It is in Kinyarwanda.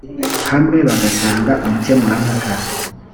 hamwe bagatanga umukemurampaka